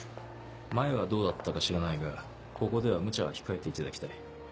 前はどうだったか知らないがここではムチャは控えていただきたい。